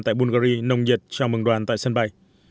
tại bungary nồng nhiệt chào mừng đoàn tại sân bay